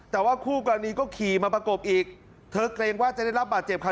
แต่ว่าคู่กรณีก็ขี่มาประกบอีกเธอเกรงว่าจะได้รับบาดเจ็บค่ะ